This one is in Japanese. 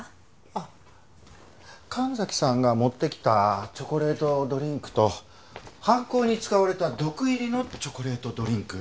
あっ神崎さんが持って来たチョコレートドリンクと犯行に使われた毒入りのチョコレートドリンク。